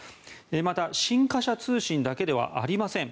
また新華社通信だけではありません。